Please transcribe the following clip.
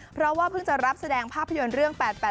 เพราะว่าเพิ่งจะรับแสดงภาพยนตร์เรื่อง๘๘